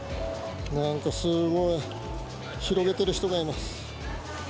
なんかすごい、広げてる人がいます。